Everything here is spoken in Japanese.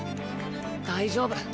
大丈夫。